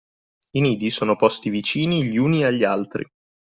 I nidi sono posti vicini gli uni agli altri